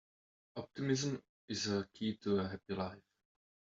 Optimism is the key to a happy life.